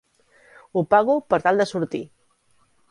Ho pago per tal de sortir!